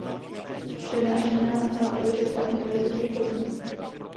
Přednáší na Západočeské univerzitě v Plzni.